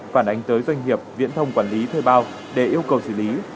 phản ánh tới doanh nghiệp viễn thông quản lý thuê bao để yêu cầu xử lý